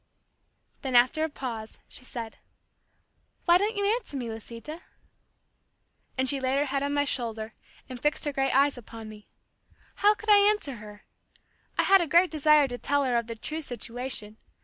Then after a pause, she said, "Why don't you answer me, Lisita?" And she laid her head on my shoulder and fixed her great eyes upon me. How could I answer her! I had a great desire to tell her of the true situation.